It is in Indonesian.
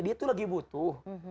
dia tuh lagi butuh